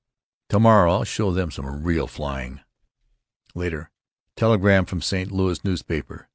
Tomorrow I'll show them some real flying. Later: Telegram from a St. L. newspaper.